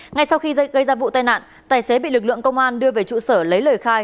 ngay sau khi gây ra vụ tai nạn tài xế bị lực lượng công an đưa về trụ sở lấy lời khai